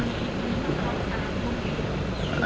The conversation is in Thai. จริงค่ะ